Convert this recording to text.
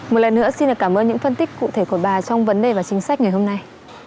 một lần nữa xin được cảm ơn những phân tích cụ thể của bà trong vấn đề và chính sách ngày hôm nay